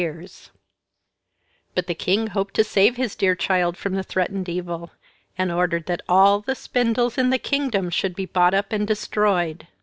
But the king hoped to save his dear child from the threatened evil, and ordered that all the spindles in the kingdom should be bought up and destroyed.